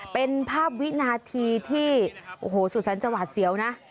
เป็นภาพวินาทีที่โอ้โหสุสันจะหวาดเสียวนะ